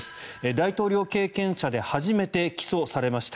大統領経験者で初めて起訴されました。